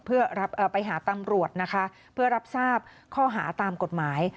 เพื่อไปหาตำรวจนะคะเพื่อรับทราบข้อหาตามกฎหมาย